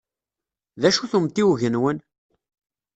D acu-t umtiweg-nwen?